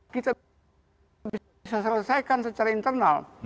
kita bisa selesaikan secara internal